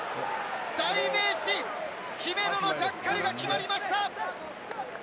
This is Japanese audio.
代名詞、姫野のジャッカルが決まりました！